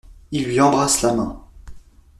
Il lui embrasse la main.